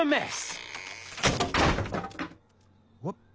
おっと。